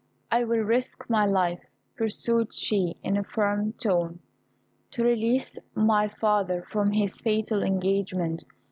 I will risk my life," pursued she, in a firm tone, "to release my father from his fatal engagement.